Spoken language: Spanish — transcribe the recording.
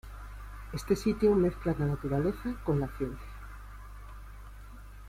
Este sitio mezcla la naturaleza, con la ciencia.